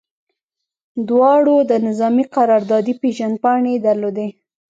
دواړو د نظامي قراردادي پیژندپاڼې درلودې